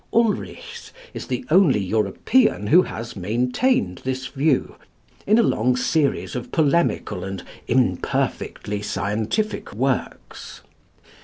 Ulrichs is the only European who has maintained this view in a long series of polemical and imperfectly scientific works.